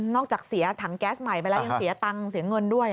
จากเสียถังแก๊สใหม่ไปแล้วยังเสียตังค์เสียเงินด้วย